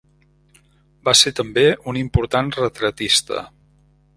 Va ser també un important retratista.